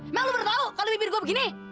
emang lu baru tahu kalau bibir gua begini